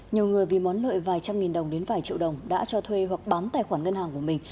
nhiều người vì món lợi vài trăm nghìn đồng đến vài triệu đồng đã cho thuê hoặc bán tài khoản ngân hàng của mình